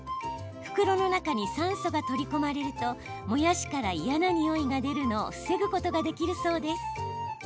袋の中に酸素が取り込まれるともやしから嫌なにおいが出るのを防ぐことができるそうです。